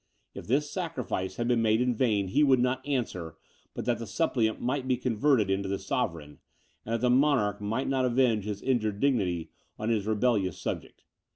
If this sacrifice had been made in vain, he would not answer, but that the suppliant might be converted into the sovereign, and that the monarch might not avenge his injured dignity on his rebellious subject.